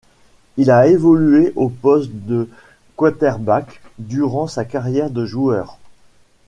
Il a évolué au poste de quaterback durant sa carrière de joueur.